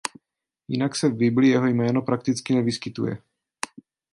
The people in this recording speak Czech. Jinak se v Bibli jeho jméno prakticky nevyskytuje.